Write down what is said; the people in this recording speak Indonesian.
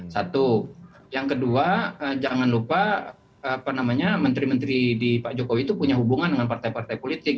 satu yang kedua jangan lupa menteri menteri di pak jokowi itu punya hubungan dengan partai partai politik